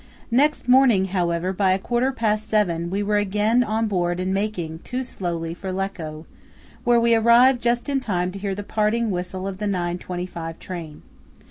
Next morning, however, by a quarter past seven, we were again on board and making, too slowly, for Lecco, where we arrived just in time to hear the parting whistle of the 9.25 train.